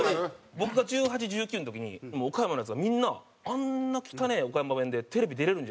僕が１８１９の時に岡山のヤツはみんなあんな汚え岡山弁でテレビ出れるんやってなって。